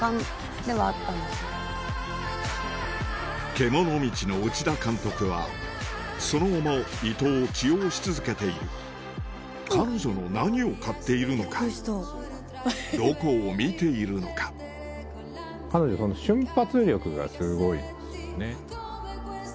『獣道』の内田監督はその後も伊藤を起用し続けている彼女の何を買っているのかどこを見ているのかっていうので結構。